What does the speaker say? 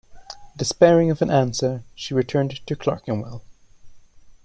Despairing of an answer she returned to Clerkenwell.